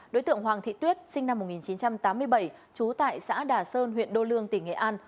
đối tượng hoàng thị tuyết sinh năm một nghìn chín trăm tám mươi bảy trú tại xã đà sơn huyện đô lương tỉnh nghệ an